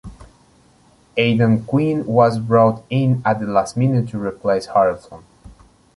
Aidan Quinn was brought in at the last minute to replace Harrelson.